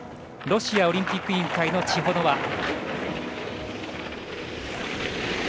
ロシアオリンピック委員会のチホノワ。